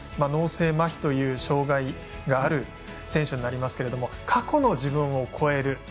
脳性まひという障がいがある選手になりますけど過去の自分を超える。